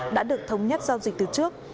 đã được thống nhất giao dịch từ trước